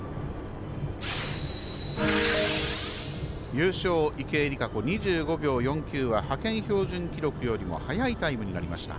優勝、池江璃花子２５秒４９は派遣標準記録よりも早いタイムになりました。